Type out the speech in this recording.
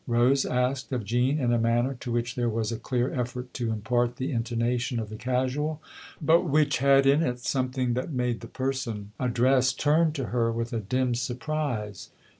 Rose asked of Jean in a manner to which there was a clear effort to impart the intonation of the casual, but which had in it something that made the person addressed 146 THE OTHER HOUSE turn to her with a dim surprise.